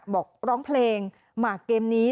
บอกร้องเพลงหมากเกมนี้